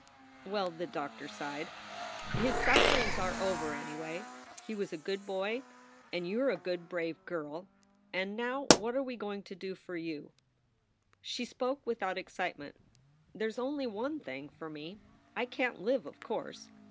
"Well," the doctor sighed, "his sufferings are over, any way. He was a good boy, and you re a good, brave girl. And now what are we to do for you? " She spoke without excitement. "There s only one thing for me. I can t live, of course.